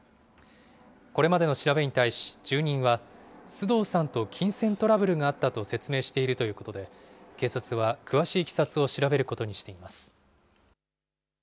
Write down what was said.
これまでの調べに対し、住人は、須藤さんと金銭トラブルがあったと説明しているということで、警察は詳しいいきさつを調べることにしています。